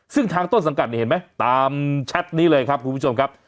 ซึ่งทางต้นสังกัดนี่เห็นไหมตามแชทนี้เลยครับคุณผู้ชมครับ